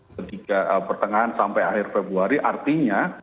ketika pertengahan sampai akhir februari artinya